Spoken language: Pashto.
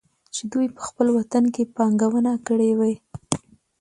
چې دوي په خپل وطن کې پانګونه کړى وى.